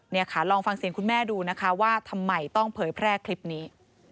นี่ค่ะลองฟังเสียงคุณแม่ดูนะคะว่าทำไมต้องเผยแพร่คลิปนี้